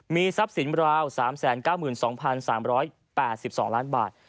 มีทรัพย์สินราว๓๙๒๓๘๒ล้านบาท